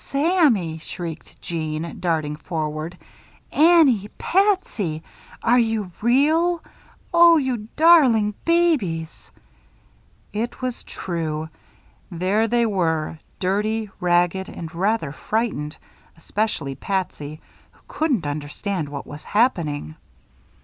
"Sammy!" shrieked Jeanne, darting forward. "Annie! Patsy! Are you real? Oh, you darling babies!" It was true. There they were, dirty, ragged and rather frightened, especially Patsy, who couldn't understand what was happening.